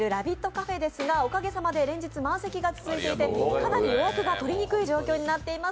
カフェですがおかげさまで連日満席が続いていて、かなり予約が取りにくい状況になっています。